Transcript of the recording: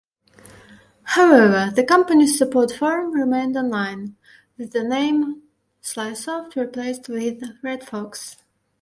However, the company's support forum remained online, with the name SlySoft replaced with "RedFox".